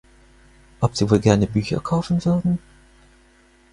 Ob sie wohl gerne Bücher kaufen würden?